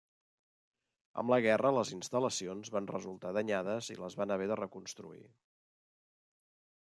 Amb la guerra les instal·lacions van resultar danyades i les van haver de reconstruir.